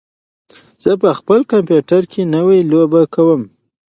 زه په خپل کمپیوټر کې نوې لوبې کوم.